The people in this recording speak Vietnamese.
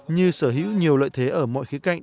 như sở hữu nhiều lợi thế ở mọi khía cạnh